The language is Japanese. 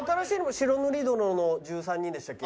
「白塗り殿の１３人」だっけ？